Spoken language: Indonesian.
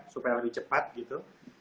supaya lebih cepat gitu